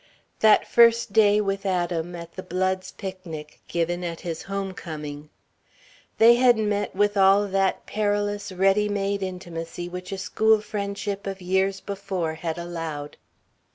... That first day with Adam at the Blood's picnic, given at his home coming. They had met with all that perilous, ready made intimacy which a school friendship of years before had allowed.